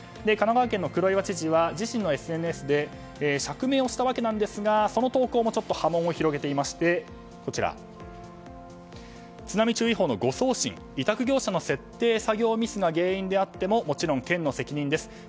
神奈川県の黒岩知事は自身のＳＮＳで釈明をしたわけなんですがその投稿もちょっと波紋を広げていまして津波注意報の誤送信委託業者の設定作業ミスが原因であってももちろん県の責任です。